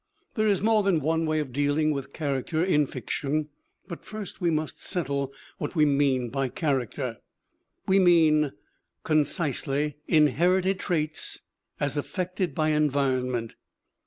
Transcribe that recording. There is more than one way of dealing with char acter in fiction. But first we must settle what we mean by character. We mean, concisely, inherited traits as affected by environment.